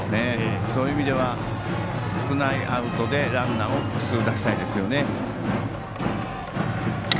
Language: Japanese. そういう意味では少ないアウトでランナーを複数出したいですね。